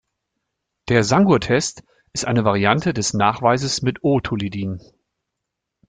Der Sangur-Test ist eine Variante des Nachweises mit O-Tolidin.